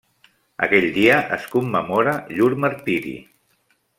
Aquell dia es commemora llur martiri.